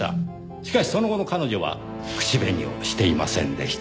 しかしその後の彼女は口紅をしていませんでした。